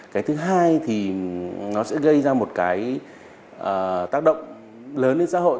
cái thứ hai thì nó sẽ gây ra một cái tác động lớn lên xã hội